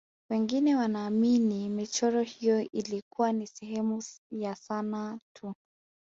wengine wanaamini michoro hiyo ilikuwa ni sehemu ya sanaa tu